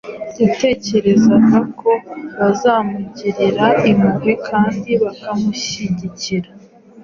yatekerezaga ko bazamugirira impuhwe kandi bakamushyigikira.